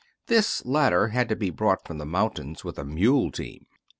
This latter had to be brought from the mountains with a mule team.